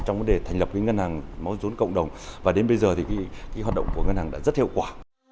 trong vấn đề thành lập ngân hàng máu rốn cộng đồng và đến bây giờ thì cái hoạt động của ngân hàng đã rất hiệu quả